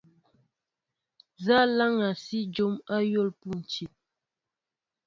Nza laŋga si jǒm ayȏl pȗntil ?